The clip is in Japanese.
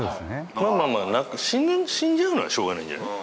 まあまあまあ死んじゃうのはしょうがないんじゃない？